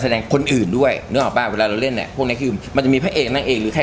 แสดงคนอื่นด้วยนึกเข้าป่าวเวลาเล่นพวกนี้มันจะมีใคร